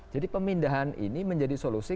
jadi pemindahan ini menjadi solusi